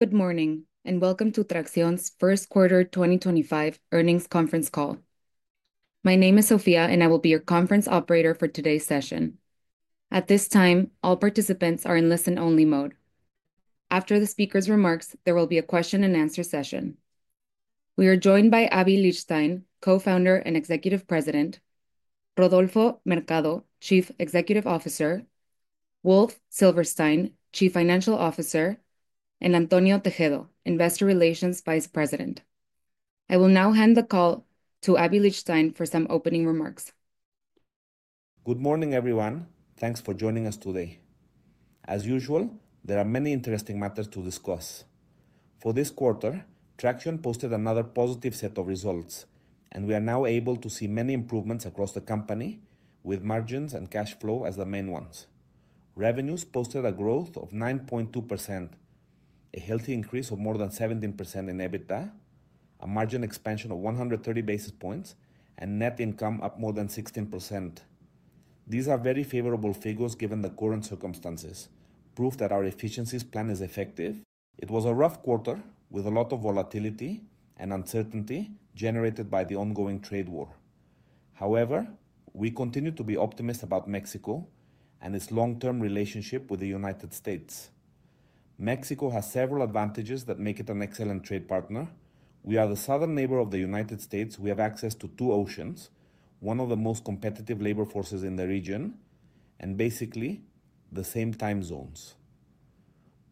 Good morning, and welcome to Traxión's First Quarter 2025 Earnings Conference Call. My name is Sofia, and I will be your conference operator for today's session. At this time, all participants are in listen-only mode. After the speaker's remarks, there will be a question-and-answer session. We are joined by Aby Lijtszain, Co-founder and Executive President; Rodolfo Mercado, Chief Executive Officer; Wolf Silverstein, Chief Financial Officer; and Antonio Tejedo, Investor Relations Vice President. I will now hand the call to Aby Lijtszain for some opening remarks. Good morning, everyone. Thanks for joining us today. As usual, there are many interesting matters to discuss. For this quarter, Traxión posted another positive set of results, and we are now able to see many improvements across the company, with margins and cash flow as the main ones. Revenues posted a growth of 9.2%, a healthy increase of more than 17% in EBITDA, a margin expansion of 130 basis points, and net income up more than 16%. These are very favorable figures given the current circumstances, proof that our efficiencies plan is effective. It was a rough quarter, with a lot of volatility and uncertainty generated by the ongoing trade war. However, we continue to be optimistic about Mexico and its long-term relationship with the United States. Mexico has several advantages that make it an excellent trade partner. We are the southern neighbor of the United States, we have access to two oceans, one of the most competitive labor forces in the region, and basically the same time zones.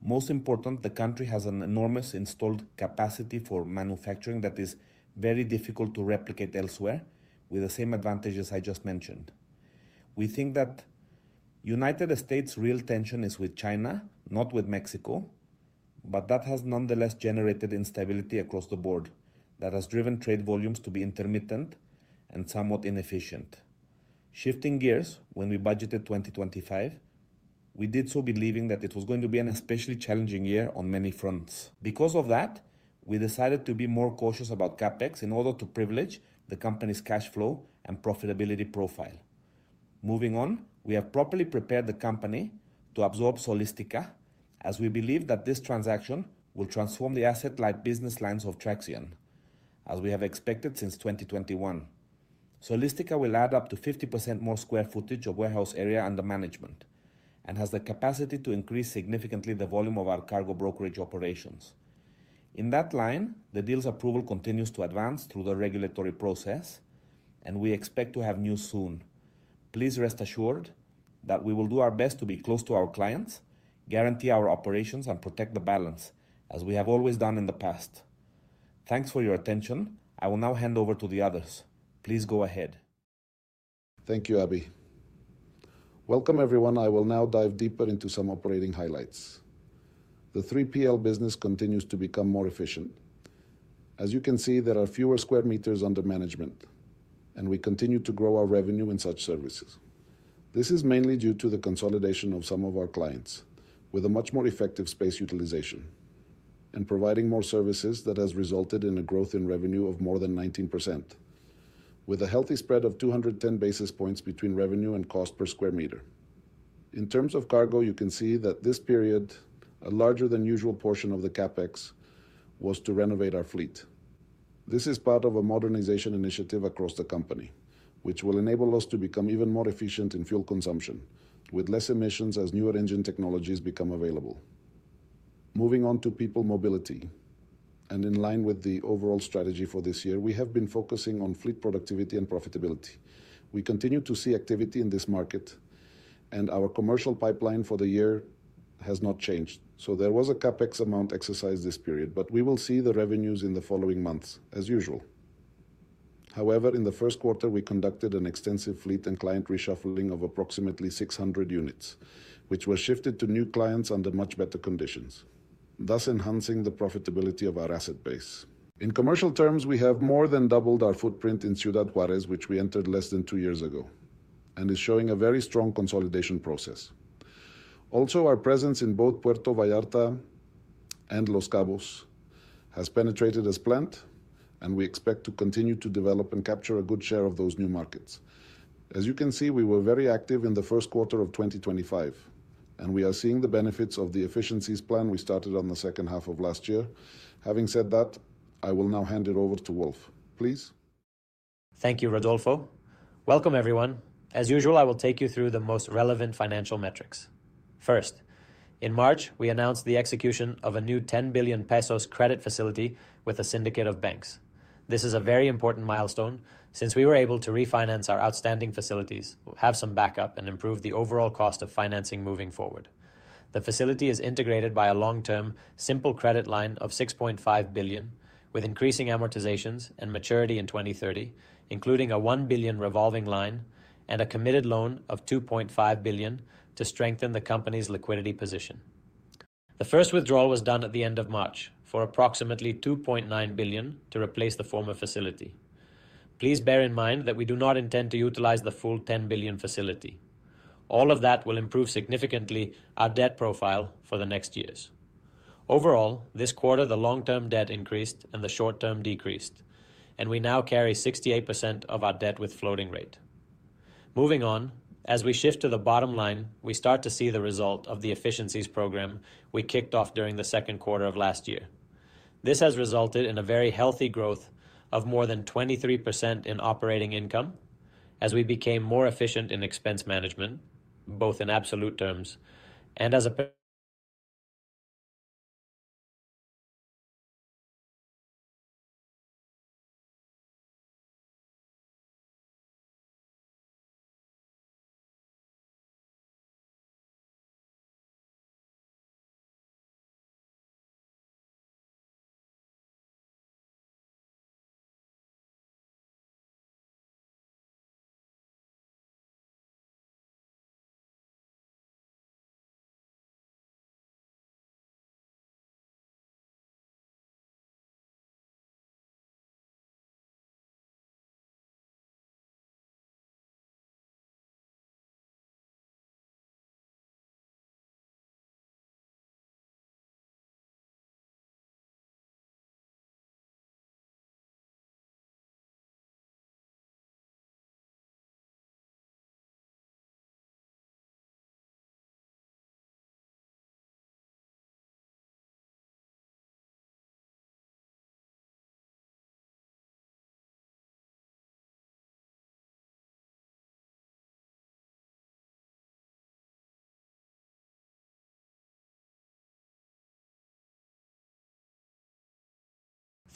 Most important, the country has an enormous installed capacity for manufacturing that is very difficult to replicate elsewhere, with the same advantages I just mentioned. We think that United States' real tension is with China, not with Mexico, but that has nonetheless generated instability across the board that has driven trade volumes to be intermittent and somewhat inefficient. Shifting gears, when we budgeted 2025, we did so believing that it was going to be an especially challenging year on many fronts. Because of that, we decided to be more cautious about CapEx in order to privilege the company's cash flow and profitability profile. Moving on, we have properly prepared the company to absorb Solistica, as we believe that this transaction will transform the asset-like business lines of Traxión, as we have expected since 2021. Solistica will add up to 50% more square footage of warehouse area under management and has the capacity to increase significantly the volume of our cargo brokerage operations. In that line, the deal's approval continues to advance through the regulatory process, and we expect to have news soon. Please rest assured that we will do our best to be close to our clients, guarantee our operations, and protect the balance, as we have always done in the past. Thanks for your attention. I will now hand over to the others. Please go ahead. Thank you, Aby. Welcome, everyone. I will now dive deeper into some operating highlights. The 3PL business continues to become more efficient. As you can see, there are fewer square meters under management, and we continue to grow our revenue in such services. This is mainly due to the consolidation of some of our clients, with a much more effective space utilization and providing more services that has resulted in a growth in revenue of more than 19%, with a healthy spread of 210 basis points between revenue and cost per square meter. In terms of cargo, you can see that this period, a larger than usual portion of the CapEx was to renovate our fleet. This is part of a modernization initiative across the company, which will enable us to become even more efficient in fuel consumption, with less emissions as newer engine technologies become available. Moving on to people mobility, and in line with the overall strategy for this year, we have been focusing on fleet productivity and profitability. We continue to see activity in this market, and our commercial pipeline for the year has not changed. There was a CapEx amount exercised this period, but we will see the revenues in the following months, as usual. However, in the first quarter, we conducted an extensive fleet and client reshuffling of approximately 600 units, which were shifted to new clients under much better conditions, thus enhancing the profitability of our asset base. In commercial terms, we have more than doubled our footprint in Ciudad Juárez, which we entered less than two years ago, and is showing a very strong consolidation process. Also, our presence in both Puerto Vallarta and Los Cabos has penetrated as planned, and we expect to continue to develop and capture a good share of those new markets. As you can see, we were very active in the first quarter of 2025, and we are seeing the benefits of the efficiencies plan we started on the second half of last year. Having said that, I will now hand it over to Wolf. Please. Thank you, Rodolfo. Welcome, everyone. As usual, I will take you through the most relevant financial metrics. First, in March, we announced the execution of a new 10 billion pesos credit facility with a syndicate of banks. This is a very important milestone since we were able to refinance our outstanding facilities, have some backup, and improve the overall cost of financing moving forward. The facility is integrated by a long-term, simple credit line of 6.5 billion, with increasing amortizations and maturity in 2030, including a 1 billion revolving line and a committed loan of 2.5 billion to strengthen the company's liquidity position. The first withdrawal was done at the end of March for approximately 2.9 billion to replace the former facility. Please bear in mind that we do not intend to utilize the full 10 billion facility. All of that will improve significantly our debt profile for the next years. Overall, this quarter, the long-term debt increased and the short-term decreased, and we now carry 68% of our debt with floating rate. Moving on, as we shift to the bottom line, we start to see the result of the efficiencies program we kicked off during the second quarter of last year. This has resulted in a very healthy growth of more than 23% in operating income as we became more efficient in expense management, both in absolute terms and as a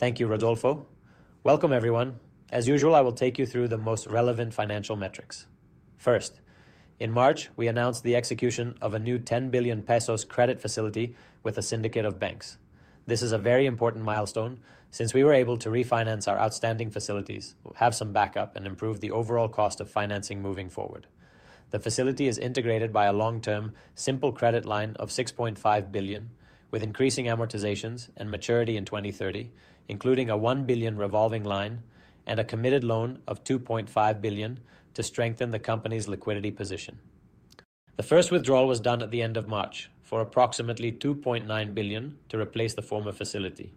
thank you, Rodolfo. Welcome, everyone. As usual, I will take you through the most relevant financial metrics. First, in March, we announced the execution of a new 10 billion pesos credit facility with a syndicate of banks. This is a very important milestone since we were able to refinance our outstanding facilities, have some backup, and improve the overall cost of financing moving forward. The facility is integrated by a long-term, simple credit line of 6.5 billion, with increasing amortizations and maturity in 2030, including a 1 billion revolving line and a committed loan of 2.5 billion to strengthen the company's liquidity position. The first withdrawal was done at the end of March for approximately 2.9 billion to replace the former facility.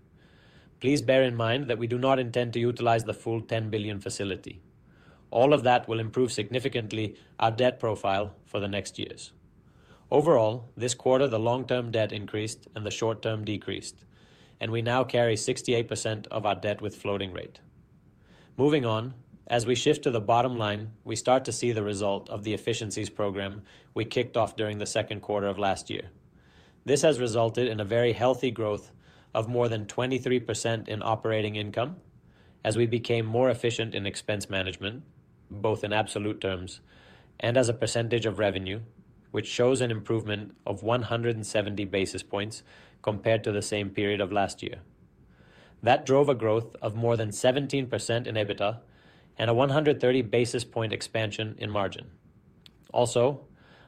Please bear in mind that we do not intend to utilize the full 10 billion facility. All of that will improve significantly our debt profile for the next years. Overall, this quarter, the long-term debt increased and the short-term decreased, and we now carry 68% of our debt with floating rate. Moving on, as we shift to the bottom line, we start to see the result of the efficiencies program we kicked off during the second quarter of last year. This has resulted in a very healthy growth of more than 23% in operating income as we became more efficient in expense management, both in absolute terms and as a percentage of revenue, which shows an improvement of 170 basis points compared to the same period of last year. That drove a growth of more than 17% in EBITDA and a 130 basis point expansion in margin. Also,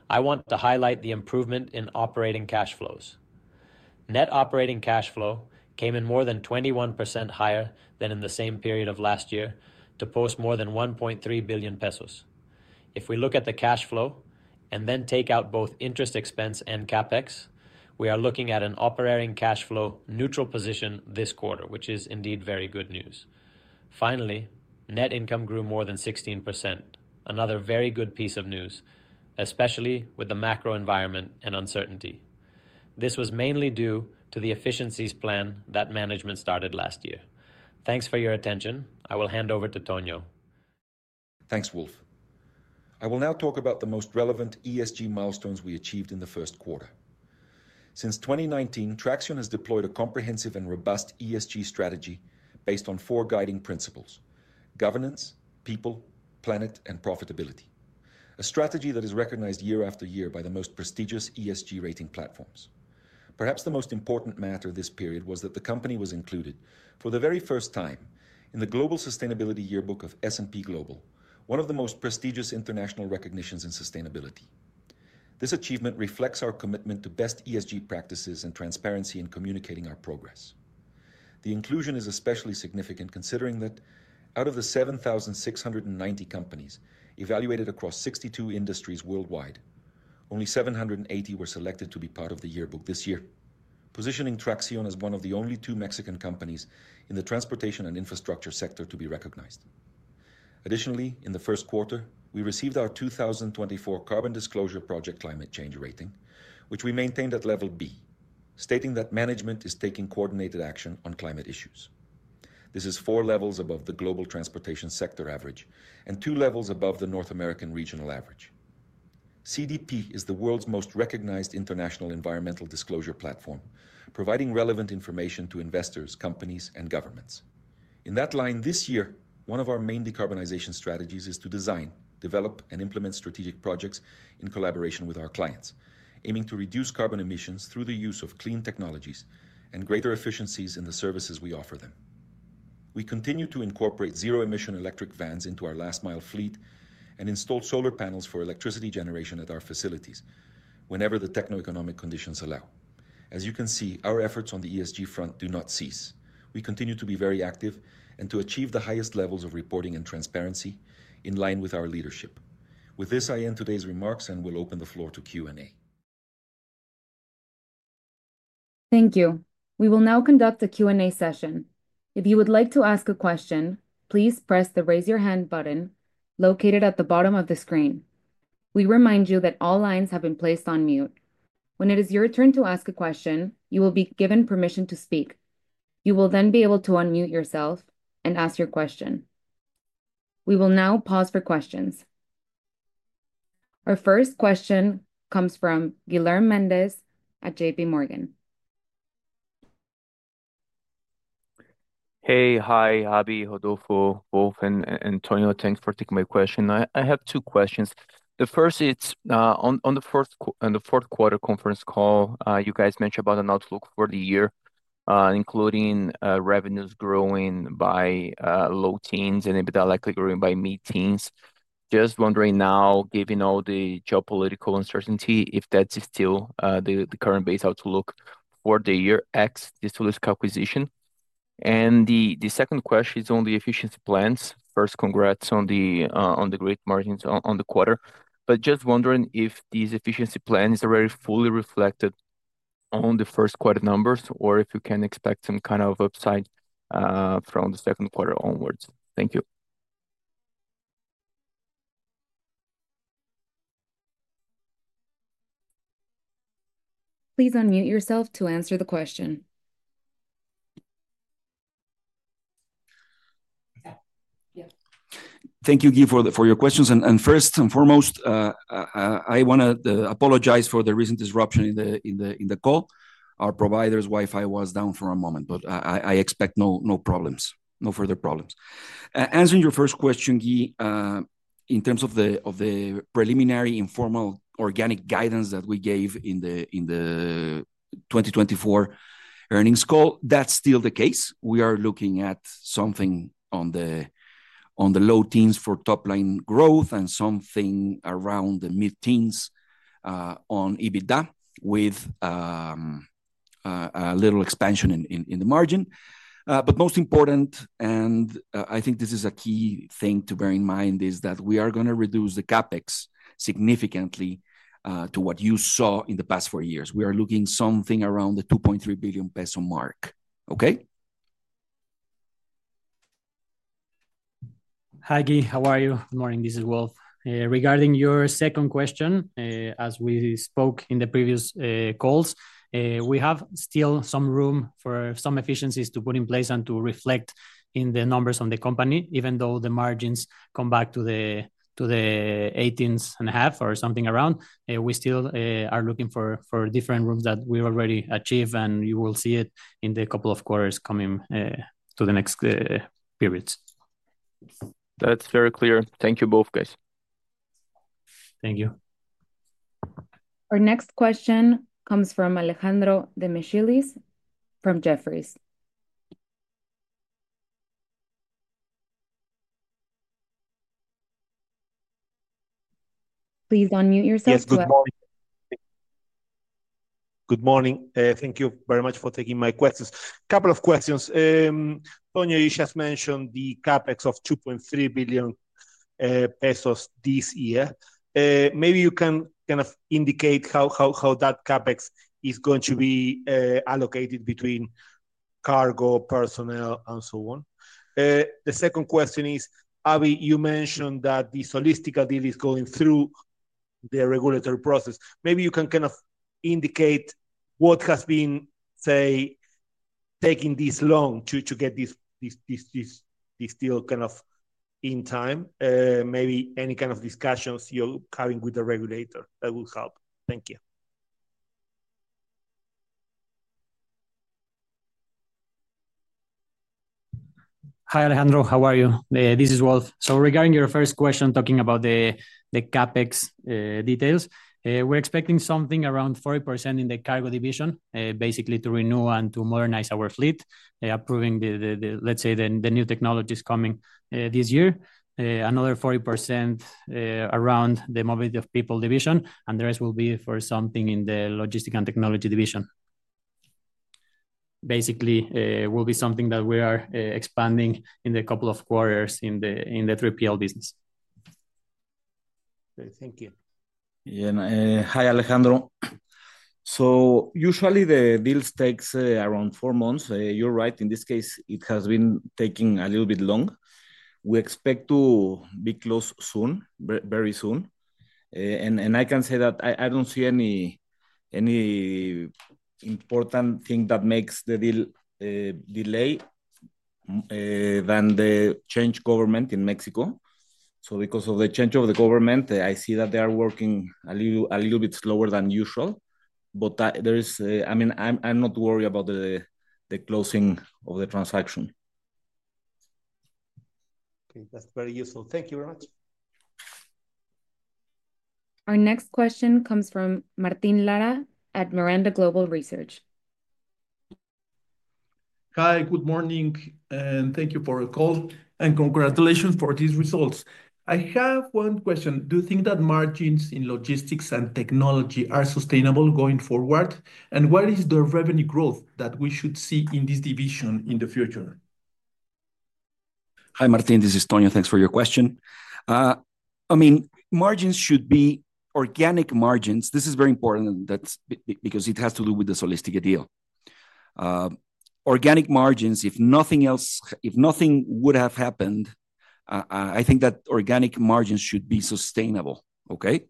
I want to highlight the improvement in operating cash flows. Net operating cash flow came in more than 21% higher than in the same period of last year to post more than 1.3 billion pesos. If we look at the cash flow and then take out both interest expense and CapEx, we are looking at an operating cash flow neutral position this quarter, which is indeed very good news. Finally, net income grew more than 16%, another very good piece of news, especially with the macro environment and uncertainty. This was mainly due to the efficiencies plan that management started last year. Thanks for your attention. I will hand over to Tonio. Thanks, Wolf. I will now talk about the most relevant ESG milestones we achieved in the first quarter. Since 2019, Traxión has deployed a comprehensive and robust ESG strategy based on four guiding principles: governance, people, planet, and profitability, a strategy that is recognized year after year by the most prestigious ESG rating platforms. Perhaps the most important matter this period was that the company was included, for the very first time, in the Global Sustainability Yearbook of S&P Global, one of the most prestigious international recognitions in sustainability. This achievement reflects our commitment to best ESG practices and transparency in communicating our progress. The inclusion is especially significant considering that, out of the 7,690 companies evaluated across 62 industries worldwide, only 780 were selected to be part of the yearbook this year, positioning Traxión as one of the only two Mexican companies in the transportation and infrastructure sector to be recognized. Additionally, in the first quarter, we received our 2024 Carbon Disclosure Project Climate Change Rating, which we maintained at level B, stating that management is taking coordinated action on climate issues. This is four levels above the global transportation sector average and two levels above the North American regional average. CDP is the world's most recognized international environmental disclosure platform, providing relevant information to investors, companies, and governments. In that line, this year, one of our main decarbonization strategies is to design, develop, and implement strategic projects in collaboration with our clients, aiming to reduce carbon emissions through the use of clean technologies and greater efficiencies in the services we offer them. We continue to incorporate zero-emission electric vans into our last-mile fleet and install solar panels for electricity generation at our facilities whenever the techno-economic conditions allow. As you can see, our efforts on the ESG front do not cease. We continue to be very active and to achieve the highest levels of reporting and transparency in line with our leadership. With this, I end today's remarks and will open the floor to Q&A. Thank you. We will now conduct a Q&A session. If you would like to ask a question, please press the raise-your-hand button located at the bottom of the screen. We remind you that all lines have been placed on mute. When it is your turn to ask a question, you will be given permission to speak. You will then be able to unmute yourself and ask your question. We will now pause for questions. Our first question comes from Guilherme Mendes at JPMorgan. Hey, hi, Aby, Rodolfo, Wolf, and Tonio, thanks for taking my question. I have two questions. The first is, on the fourth quarter conference call, you guys mentioned about an outlook for the year, including revenues growing by low teens and EBITDA likely growing by mid-teens. Just wondering now, given all the geopolitical uncertainty, if that's still the current base outlook for the year X, this Solistica acquisition. The second question is on the efficiency plans. First, congrats on the great margins on the quarter, but just wondering if these efficiency plans are already fully reflected on the first quarter numbers or if you can expect some kind of upside from the second quarter onwards. Thank you. Please unmute yourself to answer the question. Thank you, Gui, for your questions. First and foremost, I want to apologize for the recent disruption in the call. Our provider's Wi-Fi was down for a moment, but I expect no further problems. Answering your first question, Gui, in terms of the preliminary informal organic guidance that we gave in the 2024 earnings call, that's still the case. We are looking at something on the low teens for top-line growth and something around the mid-teens on EBITDA with a little expansion in the margin. Most important, and I think this is a key thing to bear in mind, is that we are going to reduce the CapEx significantly to what you saw in the past four years. We are looking at something around the 2.3 billion peso mark. Okay? Hi, Gui. How are you? Good morning. This is Wolf. Regarding your second question, as we spoke in the previous calls, we have still some room for some efficiencies to put in place and to reflect in the numbers on the company, even though the margins come back to the 18.5% or something around. We still are looking for different rooms that we already achieved, and you will see it in the couple of quarters coming to the next periods. That's very clear. Thank you, both guys. Thank you. Our next question comes from Alejandro Demichelis from Jefferies. Please unmute yourself. Yes, good morning. Good morning. Thank you very much for taking my questions. A couple of questions. Tonio, you just mentioned the CapEx of 2.3 billion pesos this year. Maybe you can kind of indicate how that CapEx is going to be allocated between cargo, personnel, and so on. The second question is, Aby, you mentioned that the Solistica deal is going through the regulatory process. Maybe you can kind of indicate what has been, say, taking this long to get this deal kind of in time. Maybe any kind of discussions you're having with the regulator that will help. Thank you. Hi, Alejandro. How are you? This is Wolf. Regarding your first question, talking about the CapEx details, we're expecting something around 40% in the cargo division, basically to renew and to modernize our fleet, approving, let's say, the new technologies coming this year. Another 40% around the mobility of people division, and the rest will be for something in the logistics and technology division. Basically, it will be something that we are expanding in the couple of quarters in the 3PL business. Thank you. Yeah. Hi, Alejandro. Usually, the deals take around four months. You're right. In this case, it has been taking a little bit long. We expect to be close soon, very soon. I can say that I don't see any important thing that makes the deal delay than the change of government in Mexico. Because of the change of the government, I see that they are working a little bit slower than usual. I mean, I'm not worried about the closing of the transaction. Okay. That's very useful. Thank you very much. Our next question comes from Martin Lara at Miranda Global Research. Hi, good morning. Thank you for your call and congratulations for these results. I have one question. Do you think that margins in logistics and technology are sustainable going forward? What is the revenue growth that we should see in this division in the future? Hi, Martin. This is Tonio. Thanks for your question. I mean, margins should be organic margins. This is very important because it has to do with the Solistica deal. Organic margins, if nothing else would have happened, I think that organic margins should be sustainable. Okay?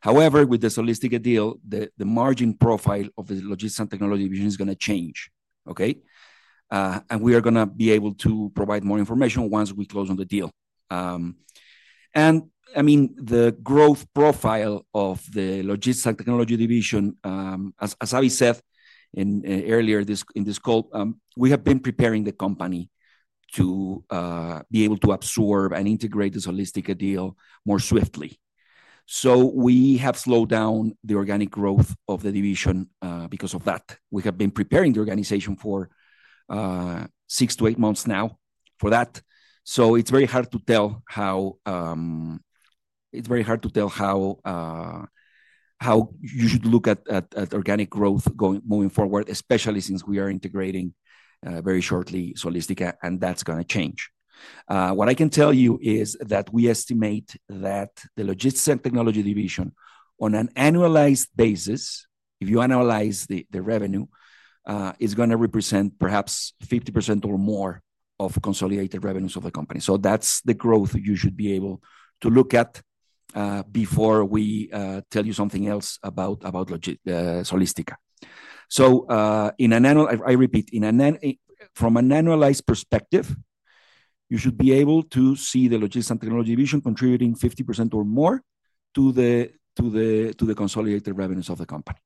However, with the Solistica deal, the margin profile of the Logistics and Technology division is going to change. Okay? We are going to be able to provide more information once we close on the deal. I mean, the growth profile of the Logistics and Technology division, as Aby said earlier in this call, we have been preparing the company to be able to absorb and integrate the Solistica deal more swiftly. We have slowed down the organic growth of the division because of that. We have been preparing the organization for six to eight months now for that. It's very hard to tell how you should look at organic growth moving forward, especially since we are integrating very shortly Solistica, and that's going to change. What I can tell you is that we estimate that the Logistics and Technology division, on an annualized basis, if you analyze the revenue, is going to represent perhaps 50% or more of consolidated revenues of the company. That's the growth you should be able to look at before we tell you something else about Solistica. I repeat, from an annualized perspective, you should be able to see the Logistics and Technology division contributing 50% or more to the consolidated revenues of the company.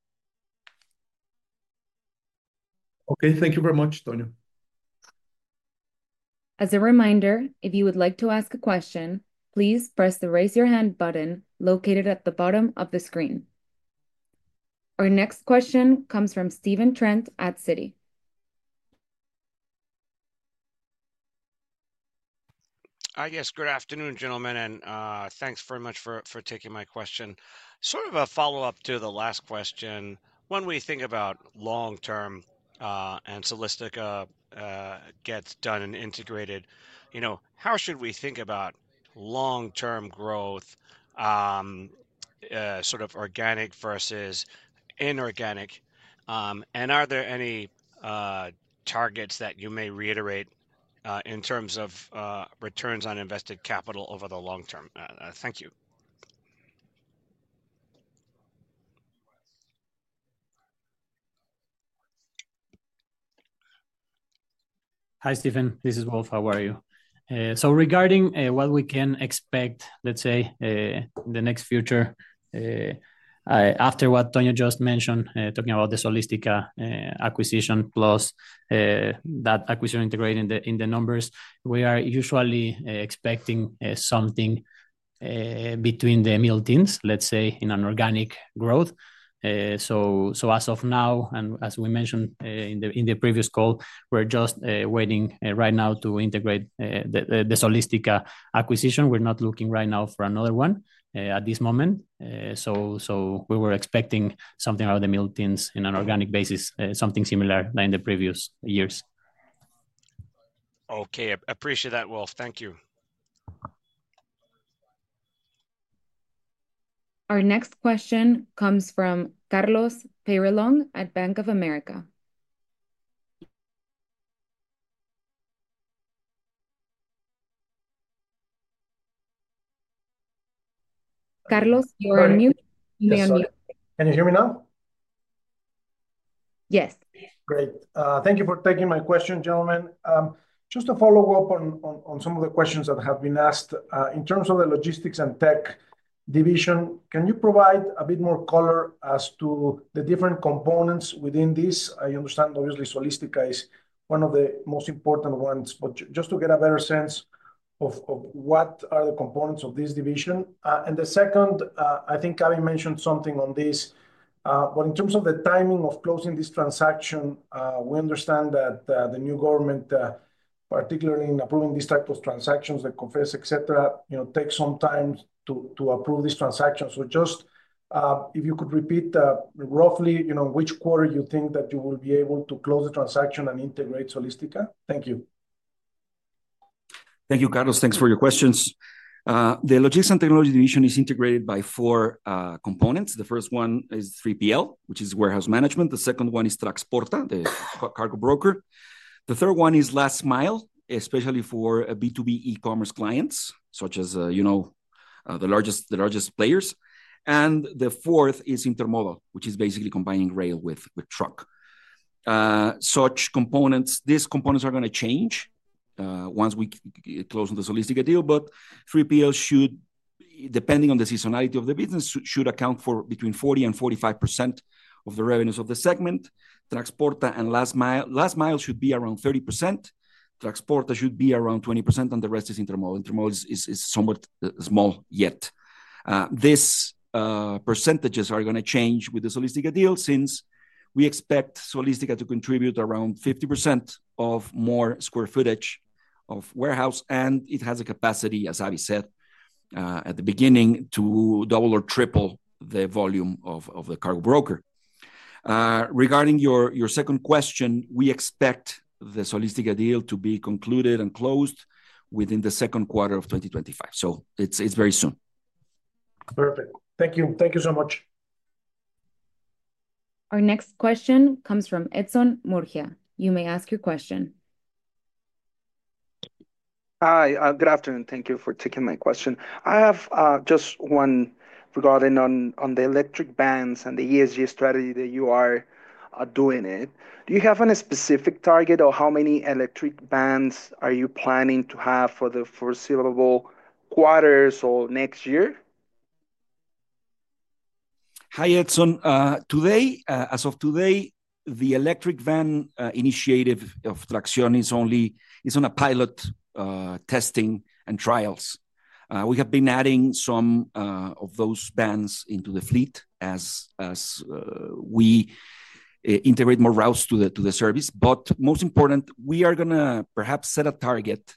Okay. Thank you very much, Tonio. As a reminder, if you would like to ask a question, please press the raise-your-hand button located at the bottom of the screen. Our next question comes from Steve Trent at Citi. Hi, yes. Good afternoon, gentlemen. Thanks very much for taking my question. Sort of a follow-up to the last question. When we think about long-term and Solistica gets done and integrated, how should we think about long-term growth, sort of organic versus inorganic? Are there any targets that you may reiterate in terms of returns on invested capital over the long term? Thank you. Hi, Steve. This is Wolf. How are you? Regarding what we can expect, let's say, in the next future, after what Tonio just mentioned, talking about the Solistica acquisition plus that acquisition integrating in the numbers, we are usually expecting something between the middle teens, let's say, in an organic growth. As of now, and as we mentioned in the previous call, we're just waiting right now to integrate the Solistica acquisition. We're not looking right now for another one at this moment. We were expecting something around the middle teens in an organic basis, something similar than in the previous years. Okay. Appreciate that, Wolf. Thank you. Our next question comes from Carlos Peyrelongue at Bank of America. Carlos, you're on mute. You may unmute. Can you hear me now? Yes. Great. Thank you for taking my question, gentlemen. Just to follow up on some of the questions that have been asked, in terms of the logistics and tech division, can you provide a bit more color as to the different components within this? I understand, obviously, Solistica is one of the most important ones, but just to get a better sense of what are the components of this division. The second, I think Aby mentioned something on this, but in terms of the timing of closing this transaction, we understand that the new government, particularly in approving these types of transactions, the COFECE, etc., takes some time to approve these transactions. Just if you could repeat roughly which quarter you think that you will be able to close the transaction and integrate Solistica. Thank you. Thank you, Carlos. Thanks for your questions. The Logistics and Technology division is integrated by four components. The first one is 3PL, which is warehouse management. The second one is Traxporta, the cargo broker. The third one is last mile, especially for B2B e-commerce clients, such as the largest players. The fourth is intermodal, which is basically combining rail with truck. These components are going to change once we close on the Solistica deal, but 3PL should, depending on the seasonality of the business, account for between 40% and 45% of the revenues of the segment. Traxporta and last mile should be around 30%. Traxporta should be around 20%, and the rest is intermodal. Intermodal is somewhat small yet. These percentages are going to change with the Solistica deal since we expect Solistica to contribute around 50% of more square footage of warehouse, and it has a capacity, as Aby said at the beginning, to double or triple the volume of the cargo broker. Regarding your second question, we expect the Solistica deal to be concluded and closed within the second quarter of 2025. It is very soon. Perfect. Thank you. Thank you so much. Our next question comes from Edson Murguia. You may ask your question. Hi. Good afternoon. Thank you for taking my question. I have just one regarding on the electric vans and the ESG strategy that you are doing it. Do you have a specific target or how many electric vans are you planning to have for the foreseeable quarters or next year? Hi, Edson. Today, as of today, the electric van initiative of Traxión is on a pilot testing and trials. We have been adding some of those vans into the fleet as we integrate more routes to the service. Most important, we are going to perhaps set a target,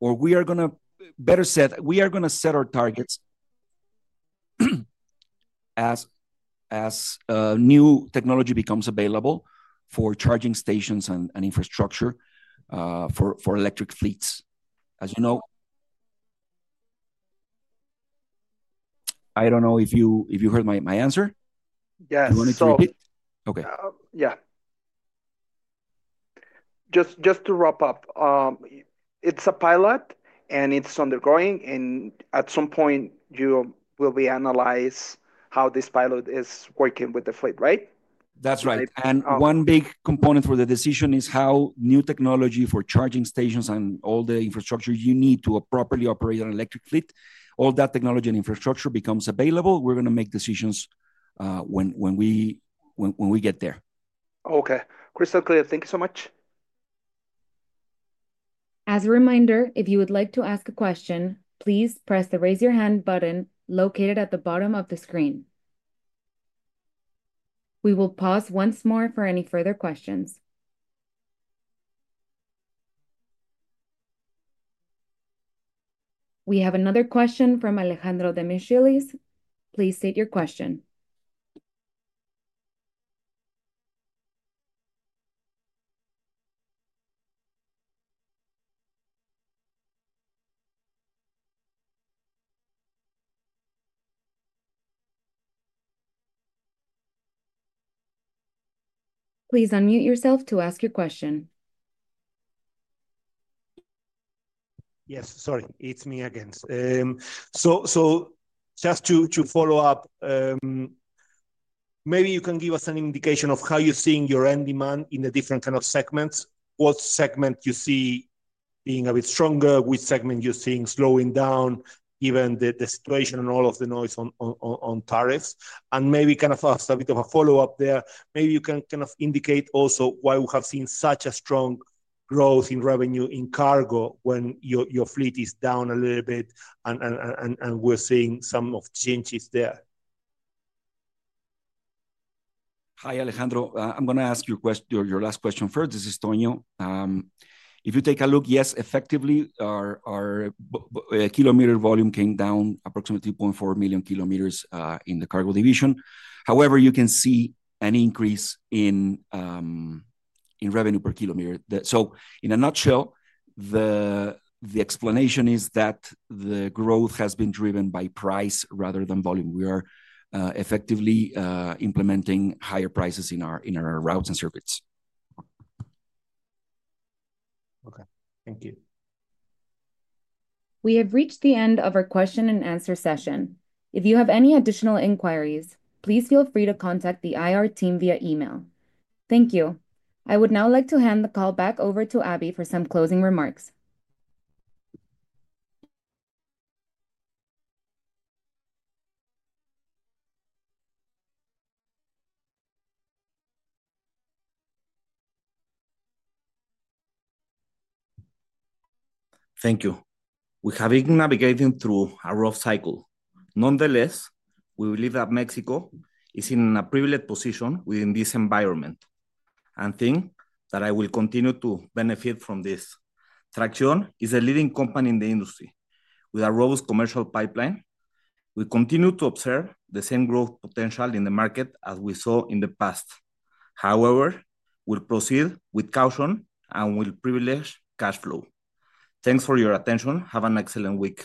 or we are going to, better said, we are going to set our targets as new technology becomes available for charging stations and infrastructure for electric fleets. As you know. I don't know if you heard my answer. Yes. You want me to repeat? Yeah. Just to wrap up, it's a pilot and it's undergoing, and at some point, you will be analyzing how this pilot is working with the fleet, right? That's right. One big component for the decision is how new technology for charging stations and all the infrastructure you need to properly operate an electric fleet, all that technology and infrastructure becomes available. We're going to make decisions when we get there. Okay. Crystal clear. Thank you so much. As a reminder, if you would like to ask a question, please press the raise-your-hand button located at the bottom of the screen. We will pause once more for any further questions. We have another question from Alejandro Demichelis. Please state your question. Please unmute yourself to ask your question. Yes. Sorry. It's me again. Just to follow up, maybe you can give us an indication of how you're seeing your end demand in the different kind of segments, what segment you see being a bit stronger, which segment you're seeing slowing down, given the situation and all of the noise on tariffs. Maybe kind of a bit of a follow-up there, maybe you can kind of indicate also why we have seen such a strong growth in revenue in cargo when your fleet is down a little bit and we're seeing some of the changes there. Hi, Alejandro. I'm going to ask your last question first. This is Tonio. If you take a look, yes, effectively, our kilometer volume came down approximately 2.4 million kilometers in the cargo division. However, you can see an increase in revenue per kilometer. In a nutshell, the explanation is that the growth has been driven by price rather than volume. We are effectively implementing higher prices in our routes and circuits. Okay. Thank you. We have reached the end of our question-and-answer session. If you have any additional inquiries, please feel free to contact the IR team via email. Thank you. I would now like to hand the call back over to Aby for some closing remarks. Thank you. We have been navigating through a rough cycle. Nonetheless, we believe that Mexico is in a privileged position within this environment. I think that it will continue to benefit from this. Traxión is a leading company in the industry. With a robust commercial pipeline, we continue to observe the same growth potential in the market as we saw in the past. However, we will proceed with caution and we will privilege cash flow. Thanks for your attention. Have an excellent week.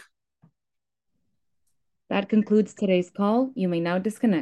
That concludes today's call. You may now disconnect.